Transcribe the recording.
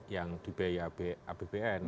yang di biabbn